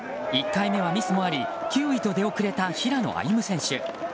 １回目はミスもあり９位と出遅れた平野歩夢選手。